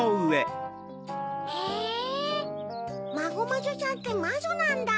へぇマゴマジョちゃんってまじょなんだ。